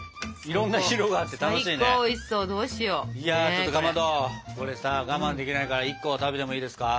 ちょっとかまどこれさ我慢できないから１個は食べてもいいですか？